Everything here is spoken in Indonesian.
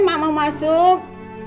mak mau masuk